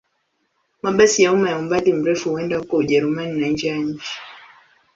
Mabasi ya umma ya umbali mrefu huenda huko Ujerumani na nje ya nchi.